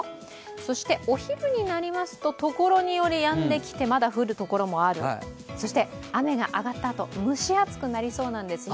そして、お昼になりますと所によりやんできてまだ降る所もある、そして雨が上がったあと、蒸し暑くなりそうなんです。